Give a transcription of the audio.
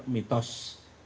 mudah mudahan tidak benar mitos